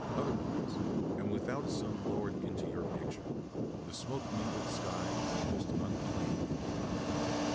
Otherwise, and without a sun lowered into your picture, the smoke mingled sky is the most unplanned in the world.